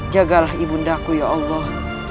jagalah ibu ndaku ya allah